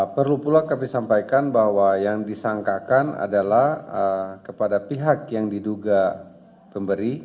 perlu pula kami sampaikan bahwa yang disangkakan adalah kepada pihak yang diduga pemberi